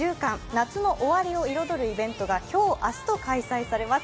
夏の終わりを彩るイベントが今日、明日と開催されます。